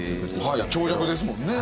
はい長尺ですもんね。